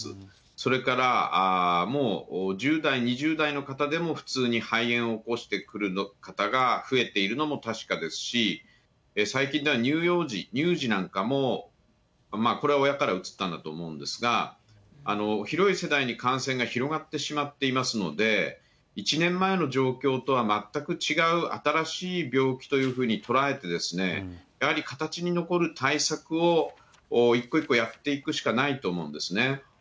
それから、もう１０代、２０代の方でも、普通に肺炎を起こしてくる方が増えているのも確かですし、最近では乳幼児、乳児なんかも、これは親からうつったと思うんですが、広い世代に感染が広がってしまっていますので、１年前の状況とは、全く違う新しい病気というふうに捉えて、やはり、形に残る対策を一個一個やっていくしかないと思うんですね。